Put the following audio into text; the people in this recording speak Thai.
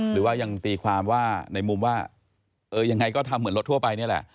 หรือว่ายังตีความว่าในมุมว่าเออยังไงก็ทำเหมือนรถทั่วไปนี่แหละ